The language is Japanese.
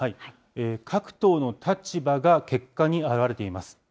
各党の立場が結果に表れています。